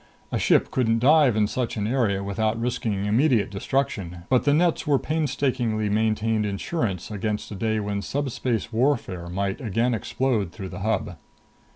A ship couldn't dive in such an area without risking immediate destruction; but the nets were painstakingly maintained insurance against a day when subspace warfare might again explode through the Hub.